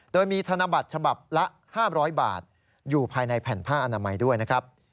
โดยมีธนบัตรฉบับละ๕๐๐บาทอยู่ภายในแผ่นผ้าอนามัยด้วยนะครับ